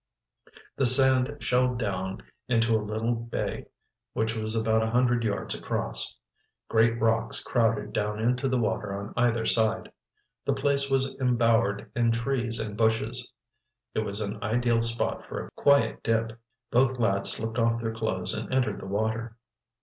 The sand shelved down into a little bay which was about a hundred yards across. Great rocks crowded down into the water on either side. The place was embowered in trees and bushes. It was an ideal spot for a quiet dip. Both lads slipped off their clothes and entered the water.